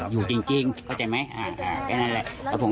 อยู่จริงเข้าใจไหมแค่นั้นแหละ